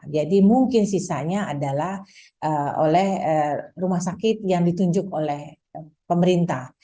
jadi mungkin sisanya adalah oleh rumah sakit yang ditunjuk oleh pemerintah